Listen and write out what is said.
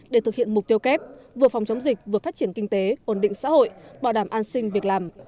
để thực hiện mục tiêu kép vừa phòng chống dịch vừa phát triển kinh tế ổn định xã hội bảo đảm an sinh việc làm